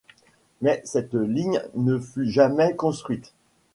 Mais cette ligne ne fut jamais construite.